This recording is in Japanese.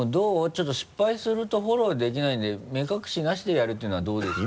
ちょっと失敗するところをできないんで目隠しなしでやるっていうのはどうですかね？